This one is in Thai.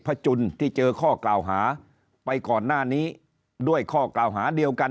จุนที่เจอข้อกล่าวหาไปก่อนหน้านี้ด้วยข้อกล่าวหาเดียวกัน